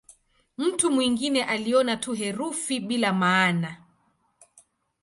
Mtu mwingine aliona tu herufi bila maana.